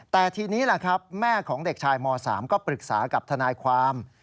แต่ทีนี้แหละครับแม่ของเด็กชายม๓ก็ปรึกษากับทนายความ